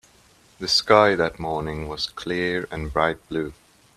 The sky that morning was clear and bright blue.